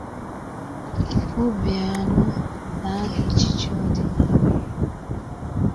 Obiano Na Aha Echichi Ọdịnala Ya